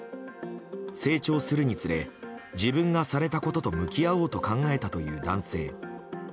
成長するにつれ自分がされたことと向き合おうと考えたという男性。